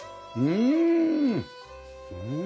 うん。